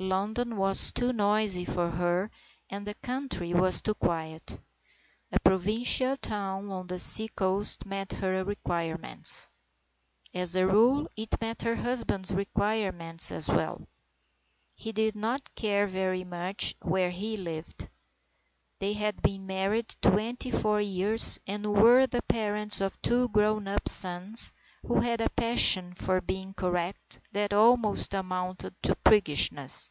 London was too noisy for her and the country was too quiet. A provincial town on the sea coast met her requirements. As a rule it met her husband's requirements as well. He did not care very much where he lived. They had been married twenty four years, and were the parents of two grown up sons who had a passion for being correct that almost amounted to priggish ness.